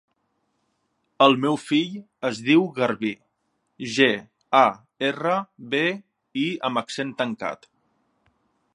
El meu fill es diu Garbí: ge, a, erra, be, i amb accent tancat.